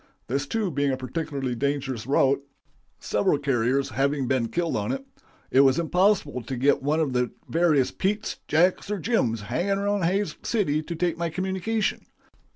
This too being a particularly dangerous route several couriers having been killed on it it was impossible to get one of the various Petes, Jacks, or Jims hanging around Hays City to take my communication.